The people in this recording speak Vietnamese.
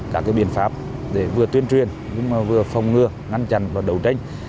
các biện pháp để vừa tuyên truyền vừa phòng ngừa ngăn chặn và đấu tranh